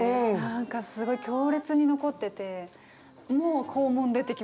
何かすごい強烈に残ってて。